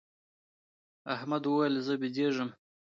احمد وویل چي زه بېدېږم.